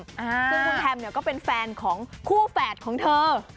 ซึ่งคุณแฮมเนี่ยก็เป็นแฟนของคู่แฝดของเธอ